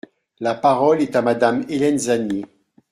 La parole est à Madame Hélène Zannier.